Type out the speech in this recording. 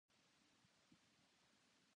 三公九卿。政界の最高幹部のこと。